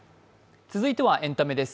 続いてはエンタメです。